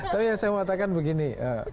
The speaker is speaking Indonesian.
tapi yang saya mau katakan begini